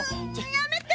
やめて！